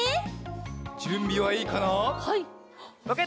じゅんびはいいかな？